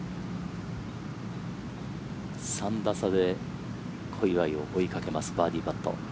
３打差で小祝を追いかけますバーディーパット。